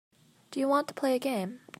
Do you want to play a game.